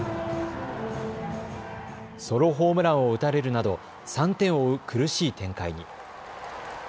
ソロホームランを打たれるなど３点を追う苦しい展開に。